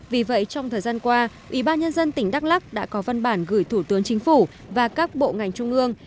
vì vậy trong thời gian qua ủy ban nhân dân tỉnh đắk lắc đã có văn bản gửi thủ tướng chính phủ và các bộ ngành trung ương